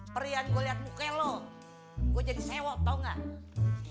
perih yang gua liat muka lo gua jadi sewok tau gak